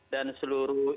dan seluruh id wilayah